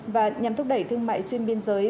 và nhằm thúc đẩy thương mại xuyên biên giới